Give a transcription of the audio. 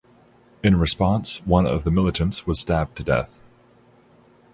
In response one of the militants was stabbed to death.